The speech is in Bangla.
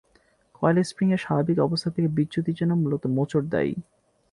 কয়েল স্প্রিং এর স্বাভাবিক অবস্থা থেকে বিচ্যুতির জন্য মূলত মোচড় দায়ী।